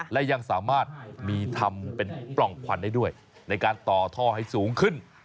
และยังสามารถมีทำเป็นปล่องควันได้ด้วยในการต่อท่อให้สูงขึ้น